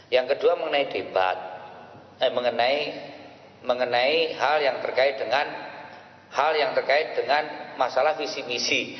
yang kedua mengenai debat mengenai hal yang terkait dengan masalah visi visi